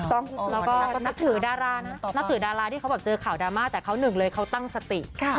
ต้องแล้วก็นับถือดารานับถือดาราที่เขาแบบเจอข่าวดราม่าแต่เขาหนึ่งเลยเขาตั้งสติ